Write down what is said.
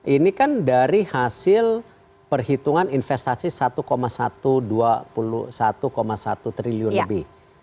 ini kan dari hasil perhitungan investasi satu satu triliun lebih